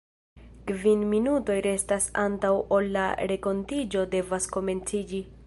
Kvin minutoj restas antaŭ ol la renkontiĝo devas komenciĝi.